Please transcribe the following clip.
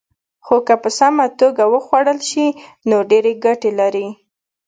خو که په سمه توګه وخوړل شي، نو ډېرې ګټې لري.